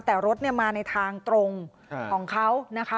แต่รถมาในทางตรงของเขานะคะ